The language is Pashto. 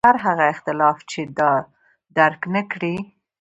هر هغه اختلاف چې دا درک نکړي.